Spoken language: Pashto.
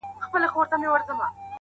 • سړی راوستی عسکرو و قاضي ته,